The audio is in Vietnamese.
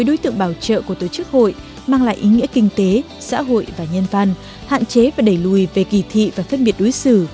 đó là ý nghĩa kinh tế xã hội và nhân văn hạn chế và đẩy lùi về kỳ thị và phân biệt đối xử